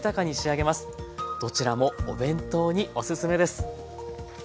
どちらもお弁当におすすめです。